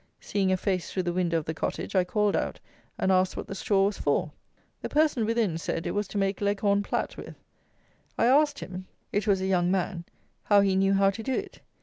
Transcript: Seeing a face through the window of the cottage, I called out and asked what that straw was for. The person within said, it was to make Leghorn plat with. I asked him (it was a young man) how he knew how to do it.